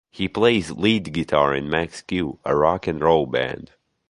He plays lead guitar in Max Q, a rock and roll band.